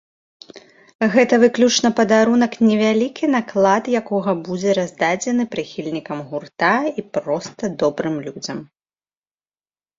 Гэта выключна падарунак, невялікі наклад якога будзе раздадзены прыхільнікам гурта і проста добрым людзям.